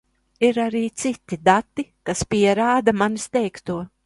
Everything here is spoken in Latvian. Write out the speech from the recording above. Ir arī citi dati, kas pierāda manis teikto.